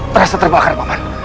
terasa terbakar paman